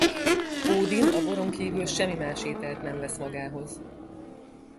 Ódin a boron kívül semmi más ételt nem vesz magához.